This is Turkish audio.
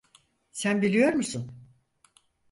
Sen biliyor musun?